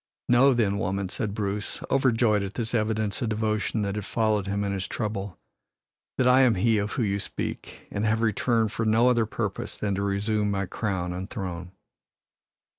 "Know, then, woman," said Bruce, overjoyed at this evidence of devotion that had followed him in his trouble, "that I am he of whom you speak and have returned for no other purpose than to resume my crown and throne."